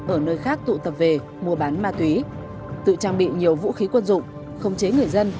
ở nơi khác tụ tập về mua bán ma túy tự trang bị nhiều vũ khí quân dụng khống chế người dân